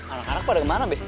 anak anak pada kemana be